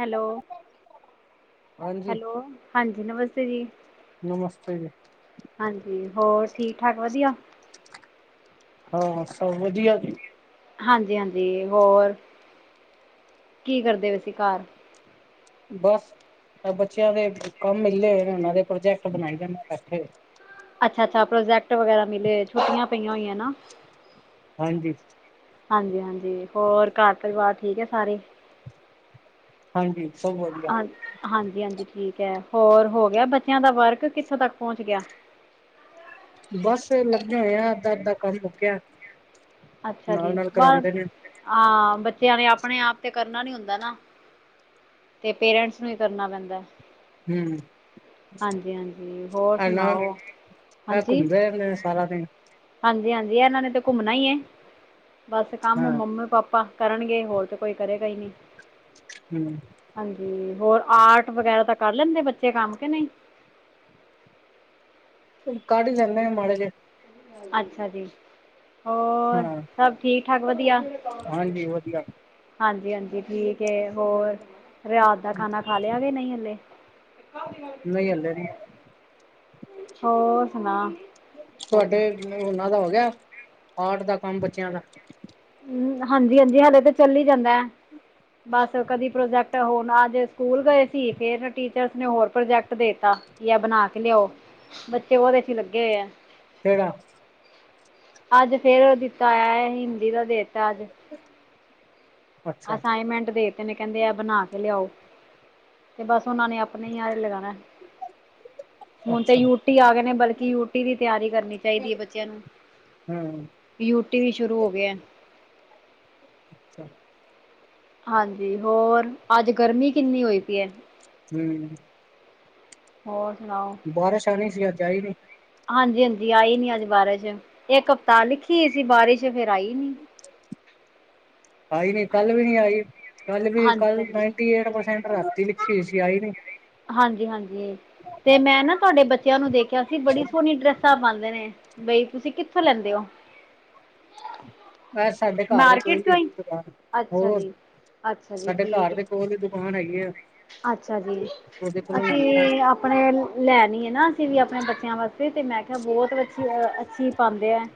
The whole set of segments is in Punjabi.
ਹੈਲੋ, ਹਾਂਜੀ ਹੈਲੋ ਹਾਂਜੀ। ਨਮਸਤੇ ਜੀ! ਨਮਸਤੇ ਜੀ ਹਾਂਜੀ, ਹੋਰ ਠੀਕ ਠਾਕ ਵਧੀਆ। ਹਾਂ, ਸਭ ਵਧੀਆ ਜੀ! ਹਾਂਜੀ- ਹਾਂਜੀ, ਹੋਰ ਕੀ ਕਰਦੇ ਪਏ ਸੀ, ਘਰ ਬਸ ਬੱਚਿਆਂ ਦੇ ਕੰਮ ਮਿਲੇ ਹੋਏ ਨੇ, ਉਹਨਾਂ ਦੇ ਪ੍ਰੋਜੈਕਟ ਬਣਾਈ ਜਾਂਦੇ ਬੈਠੇ ਹੋਏ। ਅੱਛਾ- ਅੱਛਾ ਪ੍ਰੋਜੈਕਟ ਵਗੈਰਾ ਮਿਲੇ ਹੋਏ, ਛੁੱਟੀਆਂ ਪਈਆਂ ਹੋਈਆਂ ਨਾ। ਹਾਂਜੀ ਹਾਂਜੀ ਹਾਂਜੀ, ਹੋਰ ਘਰ ਪਰਿਵਾਰ ਠੀਕ ਹੈ ਸਾਰੇ? ਹਾਂਜੀ, ਸਭ ਵਧੀਆ। ਹਾਂ ਹਾਂਜੀ ਹਾਂਜੀ ਠੀਕ ਐ, ਹੋਰ ਹੋ ਗਿਆ ਬੱਚਿਆਂ ਦਾ ਵਰਕ, ਕਿੱਥੋਂ ਤੱਕ ਪਹੁੰਚ ਗਿਆ? ਬਸ ਫਿਰ ਲੱਗੇ ਹੋਏ ਆ, ਅੱਧਾ ਅੱਧਾ ਕੰਮ ਮੁੱਕਿਆ। ਅੱਛਾ ਨਾਲ ਜੀ, ਨਾਲ ਬਸ, ਕਰਾਉਂਦੇ ਨੇ ਹਾਂ ਬੱਚਿਆਂ ਨੇ ਆਪਣੇ ਆਪ ਤੇ ਕਰਨਾ ਨੀ ਹੁੰਦਾ ਨਾ। ਤੇ ਪੇਰੈਂਟਸ ਨੂੰ ਹੀ ਕਰਨਾ ਪੈਂਦਾ। ਹੂ। ਹਾਂਜੀ ਹਾਂਜੀ ਹੋਰ ਹੈਨਾ, ਸੁਣਾਓ ਇਹ ਹਾਂਜੀ ਘੁੰਮਦੇ ਰਹਿੰਦੇ ਨੇ ਸਾਰਾ ਦਿਨ। ਹਾਂਜੀ ਹਾਂਜੀ, ਇਹਨਾਂ ਨੇ ਤੇ ਘੁੰਮਣਾ ਹੀ ਏ, ਬਸ ਕੰਮ ਹਾਂ ਮੰਮੀ ਪਾਪਾ ਕਰਨਗੇ, ਹੋਰ ਤੇ ਕੋਈ ਕਰੇਗਾ ਹੀ ਨਹੀਂ। ਹੂ। ਹਾਂਜੀ, ਹੋਰ ਆਰਟ ਵਗੈਰਾ ਤਾਂ ਕਰ ਲੈਂਦੇ, ਬੱਚੇ ਕੰਮ ਕੇ ਨਹੀਂ। ਕੱਢ ਲੈਂਦੇ ਮਾੜਾ ਜਿਹਾ। ਅੱਛਾ ਜੀ, ਹੋਰ ਹਾਂ ਸਭ ਠੀਕ ਠਾਕ ਵਧੀਆ? ਹਾਂਜੀ ਵਧੀਆ ਹਾਂਜੀ ਹਾਂਜੀ ਠੀਕ ਏ, ਹੋਰ? ਰਾਤ ਦਾ ਖਾਣਾ ਖਾ ਲਿਆ, ਕਿ ਨਹੀਂ ਹਲੇ, ਨਹੀਂ ਹੱਲੇ ਨੀ। ਹੋਰ ਸੁਣਾ। ਤੁਹਾਡੇ ਉਹਨਾਂ ਦਾ ਹੋ ਗਿਆ, ਆਰਟ ਦਾ ਕੰਮ ਬੱਚਿਆਂ ਦਾ। ਹ ਹਾਂਜੀ -ਹਾਂਜੀ ਹਲੇੇ ਤੇ ਚੱਲ ਹੀ ਜਾਂਦਾ ਹੈ। ਬਸ ਕਦੀ ਪ੍ਰੋਜੈਕਟ ਹੋਣ, ਅੱਜ ਸਕੂਲ ਗਏ ਸੀ, ਫੇਰ ਟੀਚਰਸ ਨੇ ਹੋਰ ਪ੍ਰੋਜੈਕਟ ਦੇਤਾ। ਬੀ ਐ ਬਣਾ ਕੇ ਲਿਆਓ, ਬੱਚੇ ਉਹਦੇ ਚ ਲੱਗੇ ਹੋਏ ਆ। ਕੇੜਾ ਅੱਜ ਫੇਰ ਦਿੱਤਾ ਹੈ, ਹਿੰਦੀ ਦਾ ਦੇਤਾ ਅੱਜ [unintelligible] ਅੱਛਾ ਅਸਾਈਨਮੈਂਟ ਦੇ ਤੇ, ਨੇ ਕਹਿੰਦੇ ਆ ਬਣਾ ਕੇ ਲਿਆਓ, ਤੇ ਬਸ ਉਹਨਾਂ ਨੇ ਆਪਣੇ ਹੀ ਆਰੇ ਲਗਾਣਾ। ਹੁਣ ਤੇ ਅੱਛਾ ਯੂਟੀ ਆ ਗਏ ਨੇ, ਬਲਕਿ ਯੂਟੀ ਦੀ ਤਿਆਰੀ ਕਰਨੀ। ਚਾਹੀਦੀ ਹੈ, ਬੱਚਿਆਂ ਨੂੰ, ਹਮ ਯੂਟੀ ਵੀ ਸ਼ੁਰੂ ਹੋ ਗਿਆ। ਅੱਛਾ ਹਾਂਜੀ, ਹੋਰ ਅੱਜ ਗਰਮੀ ਕਿੰਨੀ ਹੋਈ ਪਈ ਹੈ। ਹਮ ਹੋਰ ਸੁਣਾਓ। ਬਾਰਿਸ਼ ਆਉਣੀ ਸੀ, ਅੱਜ ਆਈ ਨਹੀਂ ਹਾਂਜੀ-ਹਾਂਜੀ! ਆਈ ਨੀ ਅੱਜ ਬਾਰਿਸ਼ ਇੱਕ ਹਫਤਾ ਲਿਖੀ ਸੀ ਬਾਰਿਸ਼ ਫਿਰ ਆਈ ਨੀ! ਆਈ ਨੀ ਕੱਲ ਵੀ ਨੀ ਆਈ, ਕੱਲ ਵੀ ਹਾਂਜੀ ਕੱਲ ਹਾਂਜੀ ਨਾਇਨਟੀ ਐਟ ਪਰਸੈਂਟ ਰਾਤੀ ਲਿਖੀ ਸੀ, ਆਈ ਨੀ ਹਾਂਜੀ-ਹਾਂਜੀ ਤੇ, ਮੈਂ ਨਾ ਤੁਹਾਡੇ ਬੱਚਿਆਂ ਨੂੰ ਦੇਖਿਆ ਸੀ ਬੜੀ ਸੋਹਣੀ ਡਰੈਸਾਂ ਪਾਉਂਦੇ ਨੇ। ਬਈ, ਤੁਸੀਂ ਕਿੱਥੋਂ ਲੈਂਦੇ ਹੋ। ਸਾਡੇ ਘਰ ਦੇ ਕੋਲ ਮਾਰਕੀਟ ਵੀ ਚੋਂ ਹੈਗੀ ਹੀ ਇੱਕ ਦੁਕਾਨ, ਅੱਛਾ ਹੋਰ ਜੀ ਅੱਛਾ ਜੀ ਸਾਡੇ ਠੀਕ ਘਰ ਦੇ ਹੈ ਕੋਲ ਕੌਣ ਹੈਗੇ ਆ। ਅੱਛਾ ਜੀ। ਉਹਦੇ ਕੋਲੋਂ ਲੈਂਦੇ ਆ ਅਸੀਂ ਆਪਣੇ ਲੈਣੀ ਹੈ ਨਾ, ਅਸੀਂ ਵੀ ਆਪਣੇ ਬੱਚਿਆਂ ਵਾਸਤੇ ਤੇ ਮੈਂ ਕਿਹਾ ਬਹੁਤ ਅੱਛੀ ਅ ਅੱਛੀ ਪਾਉਂਦੇ ਆ।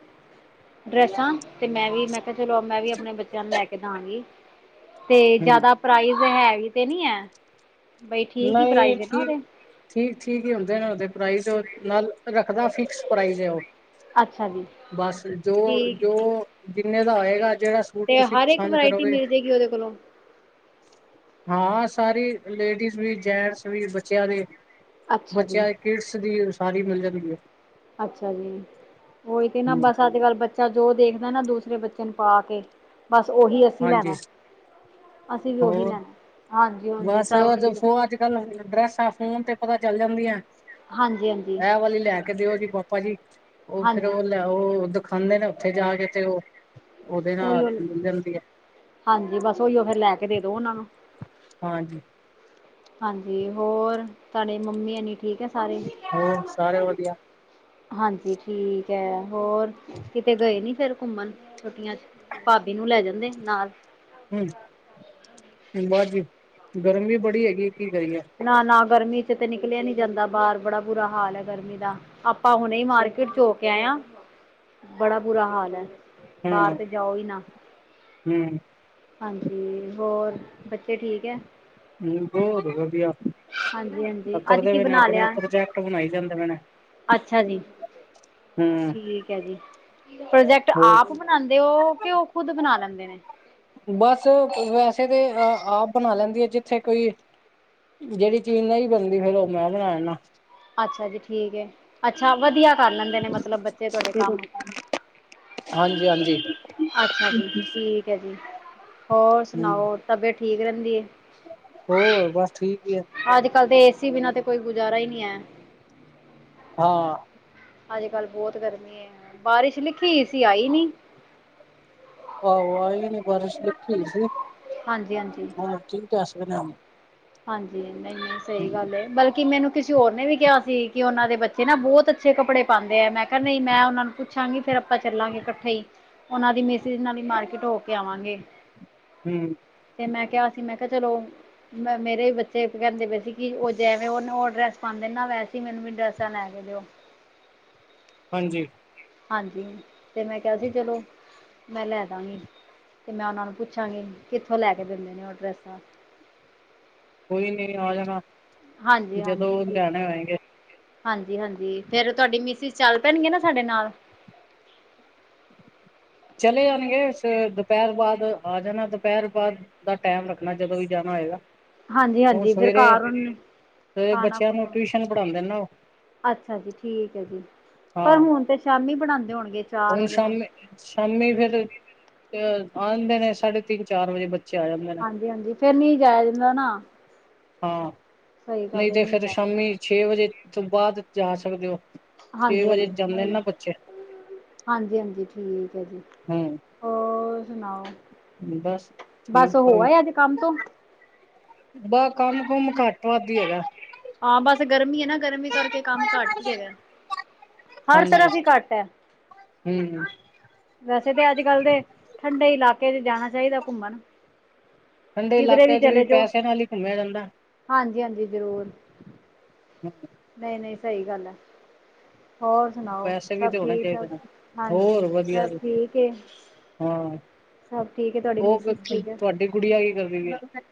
ਡਰੈਸਾਂ ਤੇ ਮੈਂ ਵੀ ਮੈਂ ਚਲੋ ਮੈਂ ਵੀ ਆਪਣੇ ਬੱਚਿਆਂ ਨੂੰ ਲੈ ਕੇ ਦਾਂਗੀ, ਤੇ ਹੂੰ ਜਿਆਦਾ ਪ੍ਰਾਈਜ਼ ਹੈ ਵੀ ਤੇ ਨੀ ਹੈ। ਬਈ ਠੀਕ ਹੀ ਨਹੀਂ ਪ੍ਰਾਈਜ਼ ਹੈ ਨਾ ਠੀਕ। ਉਹਦੇ ਠੀਕ, ਠੀਕ ਹੀ ਹੁੰਦੇ ਨੇ ਉਹਦੇ ਪ੍ਰਾਈਜ ਨਾਲ ਰੱਖਦਾ ਫਿਕਸ ਪ੍ਰਾਈਜ਼ ਹੈ ਉਹ। ਅੱਛਾ ਜੀ। ਬਸ ਜੋ ਠੀਕ ਹੈ ਜੋ ਜੀ ਜਿੰਨੇ ਦਾ ਹੋਏਗਾ ਜਿਹੜਾ ਸੂਟ ਤੁਸੀਂ ਪਸੰਦ ਕਰੋਗੇ। ਚਲੋ- ਹਾਂ, ਸਾਰੀ ਲੇਡੀਜ਼ ਵੀ, ਜੈਂਟਸ ਵੀ ਬੱਚਿਆਂ ਦੇ। ਅੱਛਾ ਜੀ ਬੱਚਿਆਂ ਕਿਡਸ ਦੀ, ਸਾਰੀ ਮਿਲ ਜਾਂਦੀ ਹੈ। ਅੱਛਾ ਜੀ, ਉਹੀ ਤੇ ਨਾ ਹੂੰ ਬਸ ਅੱਜ ਕੱਲ ਬੱਚਾ ਜੋ ਦੇਖਦਾ ਨਾ ਦੂਸਰੇ ਬੱਚੇ ਨੂੰ ਪਾ ਕੇ ਬਸ ਉਹੀ ਅਸੀਂ ਹਾਂਜੀ ਲੈਣਾ, ਅਸੀਂ ਵੀ ਉਹੀ ਹੋਰ ਲੈਣਾ ਹਾਂਜੀ-ਹਾਂਜੀ! ਸਭ ਵਧੀਆ ਹੈ। ਡਰੈਸਾ ਫੋਨ ਤੇ ਪਤਾ ਚੱਲ ਜਾਂਦੀਆਂ। ਹਾਂਜੀ ਹਾਂਜੀ ਇਹ ਵਾਲੀ ਲੈ ਕੇ ਦਿਓ ਜੀ ਪਾਪਾ ਜੀ, ਉਹ ਫੇਰ ਹਾਂਜੀ ਉਹ ਲੈ ਉਹ ਦਿਖਾਉਂਦੇ ਨੇ ਉੱਥੇ ਜਾ ਕੇ ਤੇ, ਉਹ ਉਹਦੇ ਨਾਲ ਉਹੀਓ ਮਿਲ ਜਾਂਦੀ ਆ। ਹਾਂਜੀ ਬਸ ਉਹੀਓ ਫੇਰ ਲੈ ਕੇ ਦੇ ਦੋ ਉਹਨਾਂ ਨੂੰ ਹਾਂਜੀ ਹਾਂਜੀ ਹੋਰ, ਤੁ ਤੁਹਾਡੇ ਮੰਮੀ ਹੋਣੀ ਠੀਕ ਹੈ, ਸਾਰੇ। ਹੋਰ ਸਾਰੇ ਵਧੀਆ ਹਾਂਜੀ, ਠੀਕ ਹੈ ਹੋਰ ਕਿਤੇ ਗਏ ਨੀ ਫੇਰ ਘੁੰਮਣ ਛੁੱਟੀਆਂ ਚ ਭਾਬੀ ਨੂੰ ਲੈ ਜਾਂਦੇ ਨਾਲ। ਹਮ ਬਸ ਜੀ, ਗਰਮੀ ਬੜੀ ਹੈਗੀ ਹੈ ਕੀ ਕਰੀਏ ਨਾ, ਨਾ ਗਰਮੀ ਚ ਤੇ ਨਿਕਲਿਆ ਨੀ ਜਾਂਦਾ ਬਾਹਰ ਬੜਾ ਬੁਰਾ ਹਾਲ ਹੈ ਗਰਮੀ ਦਾ। ਆਪਾਂ ਹੁਣੇ ਹੀ ਮਾਰਕੀਟ ਚ ਹੋ ਕੇ ਆਏ ਆ, ਬੜਾ ਬੁਰਾ ਹਾਲ ਹੈ। ਹਾਂ ਬਾਹਰ ਹਮ ਤੇ ਜਾਓ ਨਾ। ਹਮ ਹਾਂਜੀ ਹੋਰ, ਬੱਚੇ ਠੀਕ ਹੈ। ਹ ਬਹੁਦ ਵਧੀਆ। ਹਾਂਜੀ, ਹਾਂਜੀ ਅੱਜ ਕਰਦੇ ਕੀ ਪਏ ਨੇ ਬਣਾ ਆਪਣੇ ਲਿਆ ਪ੍ਰੋਜੈਕਟ ਬਣਾਈ ਜਾਂਦੇ ਪਏ ਨੇ ਅੱਛਾ ਜੀ। ਹਮ ਠੀਕ ਹੈ ਜੀ। ਪ੍ਰੋਜੈਕਟ ਹੋਰ ਆਪ ਬਣਾਉਂਦੇ ਹੋ, ਕਿ ਉਹ ਖੁਦ ਬਣਾ ਲੈਂਦੇ ਨੇ। ਬਸ ਵੈਸੇ ਤਾਂ ਆਪ ਬਣਾ ਲੈਂਦੀ ਆ, ਜਿੱਥੇ ਕੋਈ ਜਿਹੜੀ ਚੀਜ਼ ਨਹੀ ਬਣਦੀ ਫੇਿਰ ਉਹ ਮੈਂ ਬਣਾ ਲੈਣਾ। ਅੱਛਾ ਜੀ ਠੀਕ, ਅੱਛਾ ਵਧੀਆ। ਕਰ ਲੈਂਦੇ ਨੇ ਮਤਲਬ ਬੱਚੇ ਤੁਹਾਡੇ ਕੰਮ। ਹਾਂਜੀ ਹਾਂਜੀ ਅੱਛਾ ਜੀ ਠੀਕ ਹੈ ਜੀ, ਹੋਰ ਹੂੰ ਸੁਣਾਓ ਤਬੀਅਤ ਠੀਕ ਰਹਿੰਦੀ ਹੈ? ਹੋਰ, ਬਸ ਠੀਕ ਹੀ। ਅੱਜ ਕੱਲ ਤੇ ਏਸੀ ਬਿਨਾਂ ਤੇ ਕੋਈ ਗੁਜ਼ਾਰਾ ਹੀ ਨਹੀਂ ਹੈ। ਹਾਂ ਅੱਜ ਕੱਲ ਬਹੁਤ ਗਰਮੀ ਹੈ, ਬਾਰਿਸ਼ ਲਿਖੀ ਸੀ ਆਈ ਨੀ। ਆਹ। ਆਈ ਨਹੀ ਬਾਰਿਸ਼ ਲਿਖੀ ਹੋਈ ਸੀ। ਹਾਂਜੀ-ਹਾਂਜੀ। ਹਾਂ ਠੀਕ। [unintelligible] ਹਾਂਜੀ ਨਹੀਂ ਸਹੀ ਗੱਲ ਹੈ। ਬਲਕਿ ਮੈਨੂੰ ਕਿਸੇ ਹੋਰ ਨੇ ਵੀ ਕਿਹਾ ਸੀ। ਕਿ ਉਹਨਾਂ ਦੇ ਬੱਚੇ ਨਾ ਬਹੁਤ ਅੱਛੇ ਕੱਪੜੇ ਪਾਉਂਦੇ ਹੈ ਮੈਂ ਕਿਹਾ ਨਹੀਂ ਮੈਂ ਉਹਨਾਂ ਨੂੰ ਪੁੱਛਾਂਗੇ ਫੇਰ ਆਪਾਂ ਚੱਲਾਂਗੇ ਇਕੱਠੇ ਹੀ। ਉਹਨਾਂ ਦੀ ਮਿਸਜ ਨਾਲ ਹੀ ਮਾਰਕੀਟ ਹੋ ਕੇ ਆਵਾਂਗੇ। ਹਮ। ਤੇ ਮੈਂ ਕਿਹਾ ਸੀ ਮੈਂ ਕਿਹਾ ਚਲੋ। ਮੈਂ ਮੇਰੇ ਵੀ ਬੱਚੇ ਕਹਿੰਦੇ ਪਏ ਸੀ। ਕਿ ਉਹ ਜੈਵੇਂ ਉਹਨੂ ਉਹ ਡਰੈਸ ਪਾਉਂਦੇ ਨਾ ਵੈਸੇ ਹੀ ਮੈਨੂੰ ਵੀ ਡਰੈਸਾਂ ਲੈ ਕੇ ਦਿਓ। ਹਾਂਜੀ। ਹਾਂਜੀ। ਤੇ ਮੈਂ ਕਿਹਾ ਸੀ ਚਲੋ। ਮੈਂ ਲੈ ਦਵਾਂਗੀ ਤੇ ਮੈਂ ਉਹਨਾਂ ਨੂੰ ਪੁੱਛਾਂਗੀ ਕਿੱਥੋਂ ਲੈ ਕੇ ਦਿੰਦੇ ਨੇ ਉਹ ਡਰੈਸਾਂ। ਕੋਈ ਨੀ ਆ ਜਾਣਾ। ਜਦੋਂ ਲਿਆਣੇ ਆਏਗੇ। ਹਾਂਜੀ-ਹਾਂਜੀ। ਫਿਰ ਤੁਹਾਡੀ ਮਿਸਿਜ ਚੱਲ ਪੈਣਗੇ ਨਾ ਸਾਡੇ ਨਾਲ ਚਲੇ ਜਾਣਗੇ ਸਾ ਦੁਪਹਿਰ ਬਾਅਦ ਆ ਜਾਣਾ, ਦੁਪਹਿਰ ਬਾਅਦ ਦਾ ਟਾਇਮ ਰੱਖਣਾ ਜਦੋਂ ਵੀ ਜਾਣਾ ਹੋਏਗਾ। ਹੁਣ ਹਾਂਜੀ-ਹਾਂਜੀ। ਫਿਰ ਸਵੇਰੇ ਕਾਰ ਸਵੇਰੇ ਬੱਚਿਆਂ ਨੂੰ ਖਾਣਾ-ਖਣਾ ਟਿਊਸ਼ਨ ਪੜ੍ਹਾਉਂਦੇ ਨਾ ਉਹ, ਅੱਛਾ ਜੀ। ਠੀਕ ਹੈ। ਜੀ ਪਰ ਹਾਂ ਹੁਣ ਤੇ ਸ਼ਾਮੀ ਬਣਾਉਂਦੇ ਹੋਣਗੇ। ਚਾਰ ਹੁਣ ਵਜੇ ਨਾਲ ਸ਼ਾਮੀ- ਸ਼ਾਮੀ ਫਿਰ ਅ ਆਂਦੇ ਨੇ। ਸਾਢੇ ਤਿੰਨ- ਚਾਰ ਵਜੇ ਬੱਚੇ ਆ ਜਾਂਦੇ ਨੇ ਹਾਂਜੀ- ਹਾਂਜੀ ਫੇਰ ਨੀ ਜਾਇਆ ਜਾਂਦਾ ਨਾ। ਹਾਂ। ਸਹੀ ਗੱਲ ਨਹੀਂ ਹੈ ਤੇ ਫਿਰ ਜਾਇਆ ਸ਼ਾਮੀ ਛੇ ਵਜੇ ਤੋਂ ਬਾਅਦ ਜਾ ਸਕਦੇ ਹੋ। ਛੇ ਹਾਂਜੀ ਵਜੇ ਹਾਂਜੀ ਜਾਂਦੇ ਨੇ ਨਹੀਂ ਨਾ ਬੱਚੇ। ਹਾਂਜੀ- ਹਾਂਜੀ ਠੀਕ ਹੈ ਜੀ। ਹੂੰ ਹੋਰ ਸੁਣਾਓ ਬਸ ਠੀਕ ਬਸ। ਹੋਆ ਅੱਜ ਕੰਮ ਤੋਂ ਬਾਹ ਕੰਮ ਕੁਮ ਘੱਟ ਵੱਧਹੀ ਹੈਗਾ।। ਹਾਂ ਬਸ ਗਰਮੀ ਹੈ। ਨਾ ਗਰਮੀ ਕਰਕੇ ਕੰਮ ਘੱਟ ਹੀ ਹੈਗਾ। ਹਰ ਤਰਫ਼ ਹੀ ਘੱਟ ਹੈ। ਧੰਨਵਾਦ। ਵੈਸੇ ਤਾਂ ਅੱਜ - ਕੱਲ੍ਹ ਦੇ ਠੰਡੇ ਇਲਾਕੇ ਚ ਜਾਣਾ ਚਾਹੀਦਾ ਘੁੰਮਣ। ਠੰਡੇ ਕਿਧਰੇ ਇਲਾਕਿਆਂ ਚ ਵੀ ਚਲੇ ਜਾਓ ਪੈਸੇ ਨਾਲ ਹੀ ਘੁੰਮਿਆ ਜਾਂਦਾ। ਹਾਂਜੀ -ਹਾਂਜੀ। ਜ਼ਰੂਰ ਹਮ। [inaudible] ਨਹੀਂ - ਨਹੀਂ ਸਹੀ ਗੱਲ ਹੈ। ਹੋਰ ਸੁਣਾਓ! ਪੈਸੇ ਵੀ ਸਭ ਤੇ ਹੋਣੇ ਠਿਕ - ਚਾਹੀਦੇ ਠਾਕ ਨੇ। ਹਾਂਜੀ-ਹਾਂਜੀ ਹੋਰ ਵਧੀਆ ਸਭ ਜੀ ਠਿਕ। ਹਾਂ। ਸਬ ਠੀਕ ਹੈ। ਤੁਹਾਡੀ ਉਹ ਮਿਸਿਜ ਜੀ‌। ਤੁਹਾਡੀ ਕੁੜੀ ਆ ਕੀ ਕਰਦੀ ਪਈ।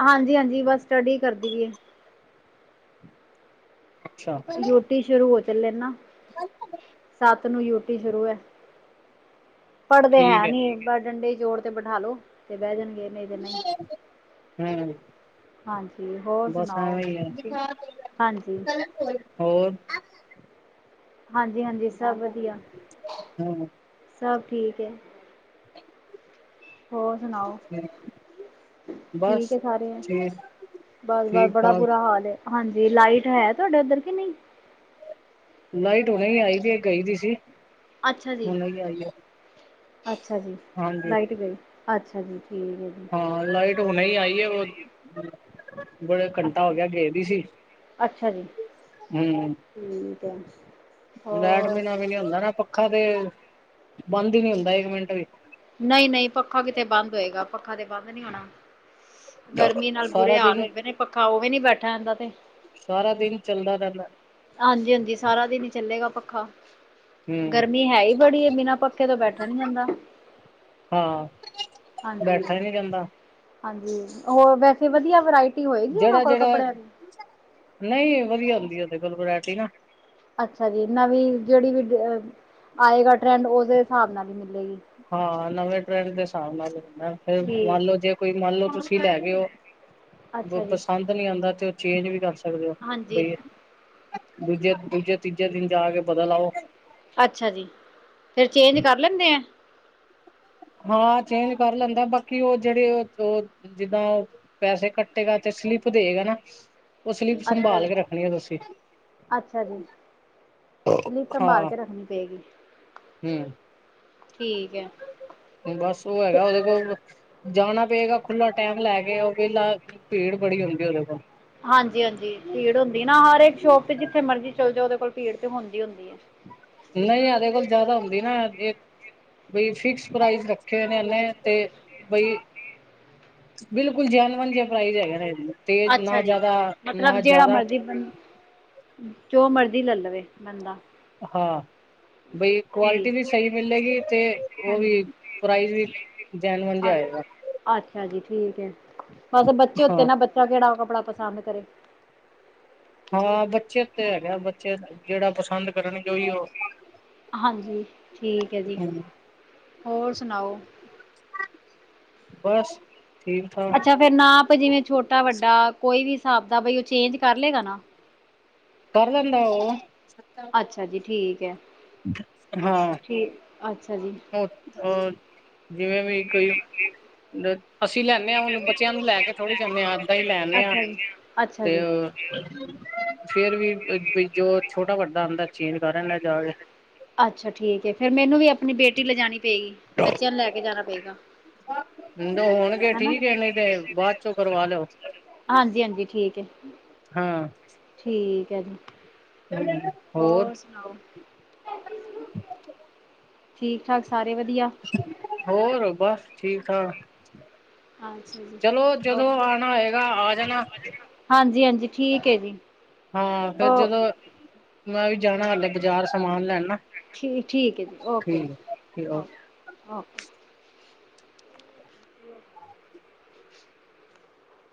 ਹਾਂਜੀ-ਹਾਂਜੀ। ਬਸ ਸਟੱਡੀ ਕਰਦੀ ਵੀ ਹੈ। ਅੱਛਾ। ਹੈ [inaudible] ਯੂਟੀ ਸ਼ੁਰੂ ਹੋ। ਚੱਲੇ ਨਾ ਸਾਤ ਨੂੰ ਯੂਟੀ ਸ਼ੁਰੂ ਹੈ। ਪੜਦੇ ਹੈ ਨੀ। ਪਰ ਡੰਡੇ ਜੋੜ ਤੇ ਬਿਠਾਲੋ ਤੇ ਬਹਿ ਜਾਣਗੇ ਨਹੀਂ ਤੇ ਨਹੀਂ। ਹਮ ਹਾਂਜੀ ਹੋਰ ਬੱਸਾ। ਸੁਣਾਓ ਹਾਂਜੀ [unintelligible] ਹੋਰ ਹਾਂਜੀ-ਹਾਂਜੀ, ਸਭ ਵਧਿਆ ਹ ਸਭ ਠੀਕ ਏ, [inaudible] [inaudible] ਹੋਰ ਸੁਣਾਓ? ਠੀਕ ਬਸ ਐ, ਸਾਰੇ ਠੀਕ ਬਸ ਬਸ ਠੀਕ ਬੜਾ ਠਾਕ ਬੁਰਾ ਹਾਲ ਹੈ। ਹਾਂਜੀ ਲਾਇਟ ਹੈ। ਤੁਹਾਡੇ ਉੱਧਰ ਕੇ ਨਹੀਂ? ਲਾਇਟ ਹੁਨੀ ਆਈ ਸੀ ਗਈ ਹੁਈ ਸੀ। ਅੱਛਾ ਜੀ, ਹੁਣੇ ਹੀ ਆਈ ਹੈ ਅੱਛਾ ਜੀ, ਹਾਂਜੀ ਲਾਇਟ ਗਈ। ਅੱਛਾ ਜੀ, ਠੀਕ ਐ ਜੀ। ਹਾਂ ਲਾਇਟ ਉਨੀ ਆਈ ਹੈ, ਉਹ [unintelligible] ਉਨ ਘੰਟਾ ਹੋ ਅੱਛਾ ਗਿਆ ਖੇਲ ਦੀ ਸੀ। ਅੱਛਾ ਜੀ ਠੀਕ ਐ ਲੈਟ ਬਿਨਾ ਵੀ ਨੀ ਹੁੰਦਾ ਨਾ ਪੱਖਾ ਤੇ, ਬੰਦ ਹੀ ਨੀ ਹੁੰਦਾ, ਇੱਕ ਮਿੰਟ ਵੀ ਨਹੀਂ-ਨਹੀਂ, ਪੱਖਾ ਕਿਤੇ ਬੰਦ ਹੋਏਗਾ। ਪੱਖਾ ਤੇ ਬੰਦ ਨੀ ਹੋਣਾ ਗਰਮੀ ਨਾਲ ਬੁਰੇ ਸਾਰਾ ਹਾਲ ਦਿਨ ਹੋਏ ਪਏ ਨੇ ਪੱਖਾ ਉਹਵੀ ਨੀ ਬੈਠਾ ਜਾਦਾ ਤੇ ਸਾਰਾ ਦਿਨ ਚੱਲਦਾ ਰਹਿੰਦਾ ਹਾਂਜੀ-ਹਾਂਜੀ, ਸਾਰਾ ਦਿਨ ਈ ਚੱਲੇਗਾ ਪੱਖਾ ਹਮ ਗਰਮੀ ਹੈ ਹੀ ਬੜੀ ਬਿਨਾਂ ਪੱਖੇ ਤੋਂ ਬੈਠਾ ਨੀ ਜਾਂਦਾ। ਹਾਂ ਬੈਠਾ ਹਾਂਜੀ ਹੀ ਨਹੀਂ ਜਾਂਦਾ। ਹਾਂਜੀ। ਹੋਰ ਵੈਸੇ ਵਧੀਆ ਵਰਾਇਟੀ ਹੋਏਗੀ ਉਹਨਾਂ ਜਿਹੜਾ ਕੋਲ ਜਿਹੜਾ ਕੱਪੜਿਆਂ ਦੀ? ਨਹੀਂ ਵਧੀਆ ਹੁੰਦੀ। ਓਦੇ ਕੋਲ ਵਰਾਇਟੀ ਨਾ। ਅੱਛਾ ਜੀ। ਨਵੀਂ ਜਿਹੜੀ ਵੀ ਆਏਗਾ ਟ੍ਰੈਂਡ ਦੇ ਹਿਸਾਬ ਨਾਲ ਹੀ ਮਿਲੇਗੀ। ਹਾਂ। ਨਵੇਂ ਟਰੈਂਡ ਦੇ ਹਿਸਾਬ ਨਾਲ ਲੈਣਾ ਫਿਰ ਮੰਨ ਠੀਕ ਲਓ। ਜੇ ਕੋਈ ਮੰਨ ਲਓ ਤੁਸੀਂ ਲੈ ਗਓ, ਔ ਅੱਛਾ ਜੀ ਪਸੰਦ ਨਹੀਂ ਆਉਂਦਾ ਤੇ ਉਹ ਚੇਂਜ ਵੀ ਕਰ ਸਕਦੇ ਹੋ। ਹਾਂਜੀ ਸਕਦੇ ਹੋ, ਬਈ ਦੂੱਜੇ ਦੂਜ਼ੇ ਤੀਜੇ ਦਿਨ ਜਾ ਕੇ ਬਦਲ ਆਓ। ਅੱਛਾ ਜੀ,। ਫੇਰ ਚੇਂਜ ਕਰ ਲੈਂਦੇ ਐ? ਹਾਂ, ਚੇਂਜ ਕਰ ਲੈਂਦਾ, ਬਾਕੀ ਉਹ ਜਿਹੜੇ ਉਹ ਜਿੱਦਾਂ ਪੈਸੇ ਕੱਟੇਗਾ, ਤੇ ਸਲਿੱਪ ਦੇਗਾ ਨਾ ਉਹ ਸਲਿੱਪ ਅੱਛਾ ਸੰਭਾਲ ਜੀ ਕੇ ਰੱਖਣੀ ਐ। ਤੁਸੀਂ ਅੱਛਾ ਜੀ। ਸਲਿਪ ਸੰਭਾਲ ਹਾਂ ਕੇ ਰੱਖਣੀ ਪਏਗੀ ਹਮ ਠੀਕ ਹੈ। ਬਸ ਉਹ ਤੇ ਹੈਗਾ ਉਹਦੇ ਕੋਲ ਜਾਣਾ ਪਏਗਾ ਖੁੱਲ੍ਹਾ ਟੈਮ ਲੈ ਕੇ ਉਹ ਵੇਲਾ ਭੀੜ ਬੜੀ ਹੁੰਦੀ ਹੈ, ਉਹਦੇ ਕੋਲ ਹਾਂਜੀ-ਹਾਂਜੀ, ਭੀੜ ਹੁੰਦੀ ਐ ਹਰ ਇਕ ਸ਼ੋਪ ਤੇ ਜਿੱਥੇ ਮਰਜੀ ਚੱਲੇ ਜਾਓ ਉਹਦੇ ਕੋਲ ਭੀੜ ਤੇ ਹੁੰਦੀ ਹੁੰਦੀ ਐ। ਨਹੀਂ ਇਹਦੇ ਕੋਲ ਜਾਦਾ ਹੁੰਦੀ ਨਾ ਫੇਰ ਬਈ ਫਿਕਸ ਪ੍ਰਾਇਜ ਰੱਖੇ, ਨੇ ਇਹਨੇ ਤੇ ਬਈ ਬਿਲਕੁਲ ਜੈਨਵਨ ਜੇ ਪ੍ਰਾਇਜ ਹੈਗਾ ਹੈ। ਅੱਛਾ ਜੀ, ਮਤਲਬ ਜਿਹੜਾ ਮਰਜ਼ੀ ਜੋ ਮਰਜ਼ੀ ਲੈ ਲਵੇ ਬੰਦਾ ਹਾਂ ਬਈ ਜੀ ਕੁਵਾਲਿਟੀ ਵੀ ਸਹੀਂ ਮਿਲੇਗੀ, ਤੇ ਉਹ ਵੀ ਹਾਂਜੀ ਪ੍ਰਾਈਜ਼ ਵੀ ਜੈਨ ਮੰਜ ਹਾਂ ਆਏਗਾ। ਅੱਛਾ ਜੀ ਠੀਕ ਹੈ, ਬਸ ਬੱਚੇ ਉੱਤੇ ਹਾਂ ਨਾ ਬੱਚਾ ਕਿਹੜਾ ਕੱਪੜਾ ਪਸੰਦ ਕਰੇ। ਹਾਂ ਬੱਚੇ ਤੇ ਹੈਗੇ, ਬੱਚੇ ਜਿਹੜਾ ਪਸੰਦ ਕਰਨਗੇ, ਉਹੀ ਉਹ ਹਾਂਜੀ ਠੀਕ ਹੈ ਜੀ, ਹੂੰ ਹੋਰ ਸੁਣਾਓ? ਬਸ। ਠੀਕ ਠਾਕ ਅੱਛਾ ਫੇਰ ਨਾਪ ਜਿਵੇਂ ਛੋਟਾ ਵੱਡਾ ਕੋਈ ਵੀ ਹਿਸਾਬ ਦਾ, ਬਈ ਉਹ ਚੇਂਜ ਕਰ ਲਏਗਾ ਨਾ। ਕਰ ਦਿੰਦਾ ਓ। ਅੱਛਾ ਜੀ ਠੀਕ ਹੈ। ਹਾਂ। ਠੀਕ, ਅੱਛਾ ਜੀ। ਹੋਰ, ਜਿਵੇਂ ਵੀ ਕੋਈ ਅਸੀਂ ਲੈਂਦੇ ਹਾਂ, ਹੁਣ ਬੱਚਿਆਂ ਨੂੰ ਲੈ ਕੇ ਥੋੜ੍ਹੀ ਜਾਂਦੇ ਹਾਂ, ਏਦਾਂ ਹੀ ਲੈ ਆਂਦੇ ਹਾਂ। ਅੱਛਾ ਜੀ ਅੱਛਾ ਤੇ ਜੀ ਹੋਰ ਫੇਰ ਵੀ ਜੋ ਛੋਟਾ ਵੱਡਾ ਹੁੰਦਾ, ਚੇਂਜ ਕਰ ਲੈਂਦਾ ਜਾਕੇ। ਅੱਛਾ ਠੀਕ ਹੈ, ਫੇਿਰ ਮੈਨੂੰ ਵੀ ਆਪਣੀ ਬੇਟੀ ਲਿਜਣੀ ਪਏਗੀ, ਬੱਚਿਆਂ ਨੂੰ ਲੈ ਕੇ ਜਾਣਾ ਪਏਗਾ। ਹੁਣ ਹੋਣਗੇ ਹਨਾ ਠੀਕ ਹੈ, ਨਹੀਂ ਤੇ ਬਾਅਦ ਚੋਂ ਕਰਵਾ ਲਓ। ਹਾਂਜੀ ਹਾਂਜੀ ਠੀਕ ਹੈ। ਹਾਂ। ਠੀਕ ਹੈ ਜੀ। ਹੋਰ? ਠੀਕ ਠਾਕ ਸਾਰੇ ਵਧੀਆ। ਹੋਰ ਬਸ ਠੀਕ ਠਾਕ। ਅੱਛਾ ਜੀ ਚੱਲੋ ਜਦੋਂ ਓਕੇ ਆਣਾ ਹੈਏਗਾ, ਆ ਜਾਣਾ। ਹਾਂਜੀ ਹਾਂਜੀ ਠੀਕ ਹੈ ਜੀ ਹਾਂ ਫਿਰ ਓ ਜਦੋਂ, ਮੈਂ ਵੀ ਜਾਣਾ ਹਲੇ ਬਾਜ਼ਾਰ ਸਮਾਨ ਲੈਣ ਠੀਕ ਠੀਕ ਹੈ ਜੀ, ਓਕੇ ਜੀ, ਠੀਕ ਐ ਠੀਕ ਓ ਓਕੇ ਓਕੇ। ਹਮ। [unintelligible]